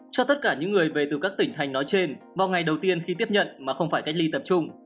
cho tất cả những người về từ các tỉnh thành nói trên vào ngày đầu tiên khi tiếp nhận mà không phải cách ly tập trung